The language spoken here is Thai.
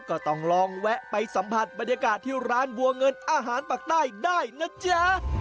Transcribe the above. ก็ต้องลองแวะไปสัมผัสบรรยากาศที่ร้านบัวเงินอาหารปากใต้ได้นะจ๊ะ